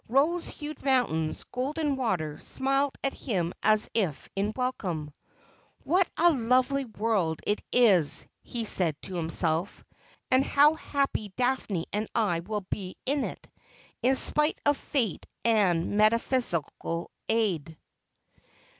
Rose hued mountains, golden water, smiled at him as if in welcome. ' "What a lovely world it is !' he said to himself ;' and how happy Daphne and I will be in it — in spite of Fate and meta physical aid.